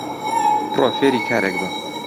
بڕۆ فێری کارێک بە